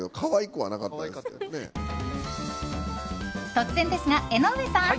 突然ですが、江上さん